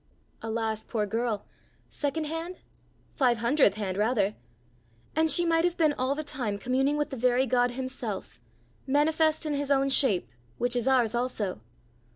Alas, poor girl! second hand? Five hundredth hand rather? And she might have been all the time communing with the very God himself, manifest in his own shape, which is ours also!